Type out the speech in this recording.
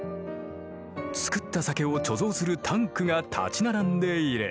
造った酒を貯蔵するタンクが立ち並んでいる。